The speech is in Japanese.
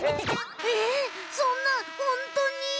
えっそんなホントに？